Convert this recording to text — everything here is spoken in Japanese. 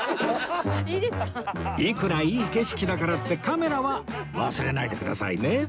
いくらいい景色だからってカメラは忘れないでくださいね